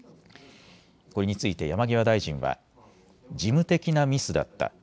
これについて山際大臣は、事務的なミスだった。